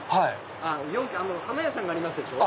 あっ４軒花屋さんがありますでしょ。